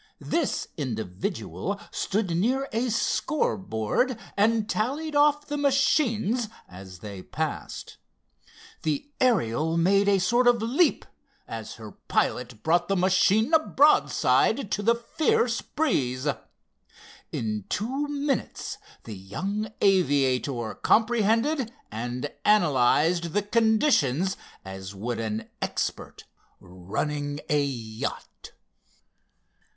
This individual stood near a score board, and tallied off the machines as they passed. The Ariel made a sort of leap, as her pilot brought the machine broadside to the fierce breeze. In two minutes the young aviator comprehended, and analyzed, the conditions as would an expert running a yacht.